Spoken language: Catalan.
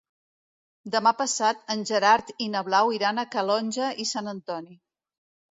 Demà passat en Gerard i na Blau iran a Calonge i Sant Antoni.